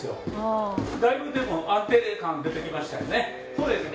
「そうですね」